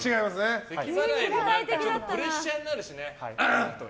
プレッシャーになるしね。